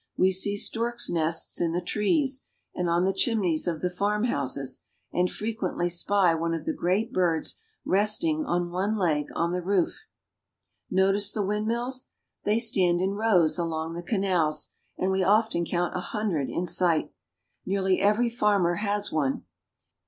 We see storks' nests in the trees and on the chimneys of the farmhouses, and frequently spy one of the great birds rest ing on one leg on the roof. " Nearly every farmer has one." Notice the windmills. They stand in rows along the canals, and we often count a hundred in sight. Nearly every farmer has one.